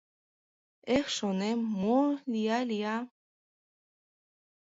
«Эх, — шонем, — мо лия-лия.